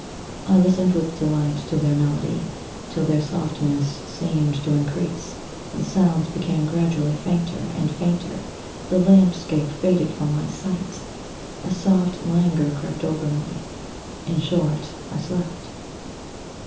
I listened with de light to their melody, till their softness seem ed to increase; the sounds became gradually fainter ^and fainter ; the landscape faded from my sight : a soft langour crept over me : in short, I slept.